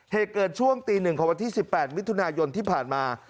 เหตุเกิดช่วงตี๑ของวันที่๑๘มิถุนายนที่ผ่านมา